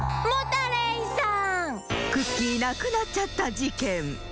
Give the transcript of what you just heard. クッキーなくなっちゃったじけん。